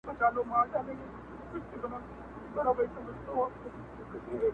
څه کم به ترېنه را نه وړې له ناز او له ادا نه,